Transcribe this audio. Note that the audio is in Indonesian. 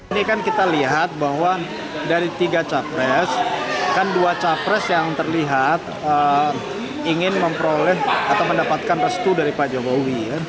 ini kan kita lihat bahwa dari tiga capres kan dua capres yang terlihat ingin memperoleh atau mendapatkan restu dari pak jokowi